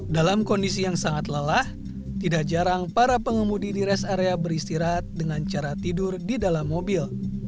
dalam kondisi yang sangat lelah tidak jarang para pengemudi di rest area beristirahat dengan cara tidur di dalam mobil